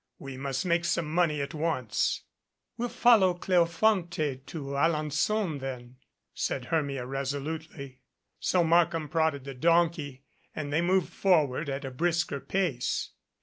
We must make some money at once." "We'll follow Cleofonte to Alenon then," said Hermia resolutely. So Markham prodded the donkey and they moved for ward at a brisker pace.